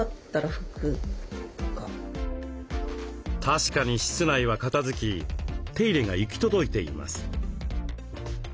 確かに室内は片づき手入れが行き届いています。